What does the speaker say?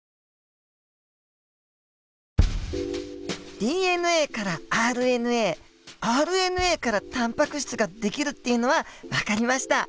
ＤＮＡからＲＮＡＲＮＡからタンパク質が出来るっていうのは分かりました。